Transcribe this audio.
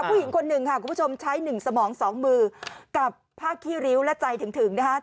ผู้หญิงคนหนึ่งค่ะคุณผู้ชมใช้๑สมอง๒มือกับผ้าขี้ริ้วและใจถึงนะคะ